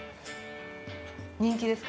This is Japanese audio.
人気ですか？